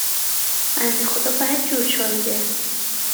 بنده خدا بدجور چاییده